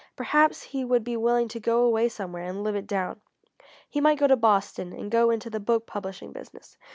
Perhaps he would be willing to go away somewhere and live it down. He might go to Boston and go into the book publishing business.